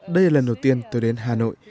đây là lần đầu tiên tôi đến hà nội